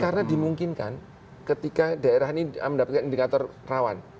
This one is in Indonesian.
karena dimungkinkan ketika daerah ini mendapatkan indikator rawan